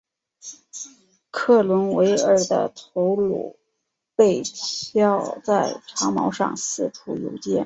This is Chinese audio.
克伦威尔的头颅被挑在长矛上四处游街。